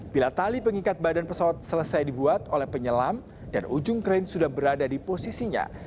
bila tali pengikat badan pesawat selesai dibuat oleh penyelam dan ujung krain sudah berada di posisinya